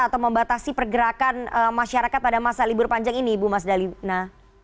atau membatasi pergerakan masyarakat pada masa libur panjang ini ibu mas dalina